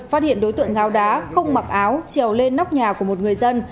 phát hiện đối tượng ngáo đá không mặc áo trèo lên nóc nhà của một người dân